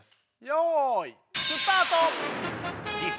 よいスタート！